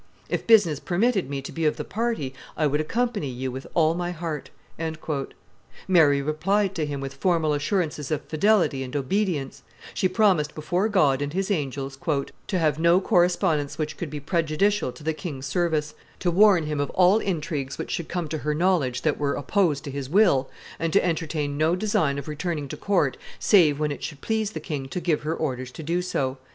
If business permitted me to be of the party, I would accompany you with all my heart." Mary replied to him with formal assurances of fidelity and obedience; she promised before God and His angels "to have no correspondence which could be prejudicial to the king's service, to warn him of all intrigues, which should come to her knowledge, that were opposed to his will, and to entertain no design of returning to court save when it should please the king to give her orders to do so."